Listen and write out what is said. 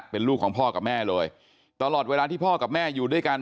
เป็นลูกของพ่อกับแม่เลยตลอดเวลาที่พ่อกับแม่อยู่ด้วยกัน